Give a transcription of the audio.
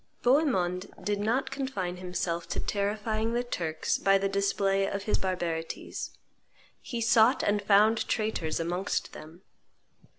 Bohemond did not confine himself to terrifying the Turks by the display of his barbarities; he sought and found traitors amongst them.